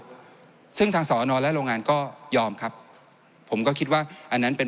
ครับซึ่งทางสอนอและโรงงานก็ยอมครับผมก็คิดว่าอันนั้นเป็น